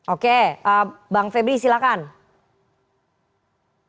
oke bang febri silakan